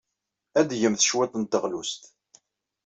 Ad d-tgemt cwiṭ n teɣlust.